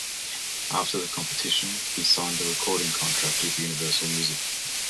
After the competition, he signed a recording contract with Universal Music.